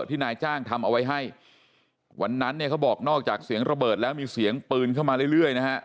ที่นายจ้างทำเอาไว้ให้วันนั้นเนี่ยเขาบอกนอกจากเสียงระเบิดแล้วมีเสียงปืนเข้ามาเรื่อยนะฮะ